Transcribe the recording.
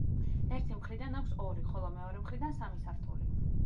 ერთი მხრიდან აქვს ორი, ხოლო მეორე მხრიდან სამი სართული.